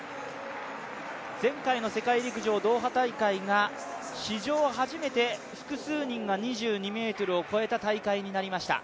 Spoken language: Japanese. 前回の世界陸上ドーハ大会が史上初めて複数人が２２ｍを越えた大会になりました。